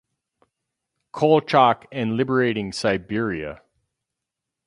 Kolchak and liberating Siberia.